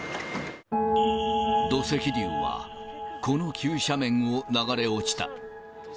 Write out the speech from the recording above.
土石流は、この急斜面を流れ落ちた。